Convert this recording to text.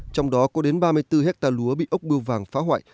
trong đó có đến ba mươi bốn hectare lúa bị ốc bưu vàng phá hoại